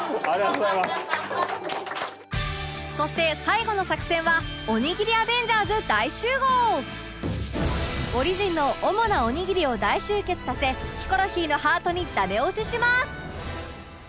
そして最後の作戦はおにぎりアベンジャーズ大集合オリジンの主なおにぎりを大集結させヒコロヒーのハートにダメ押しします！